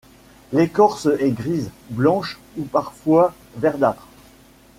L'écorce est grise, blanche ou parfois verdâtre.